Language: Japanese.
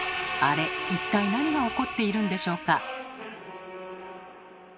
あれ一体なにがおこっているんでしょうか？